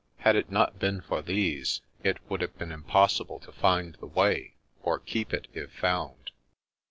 Had it not been for these, it would have been impossible to find the way, or keep it if found.